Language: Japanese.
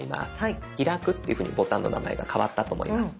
開くというふうにボタンの名前が変わったと思います。